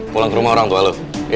pulang ke rumah orang tua lo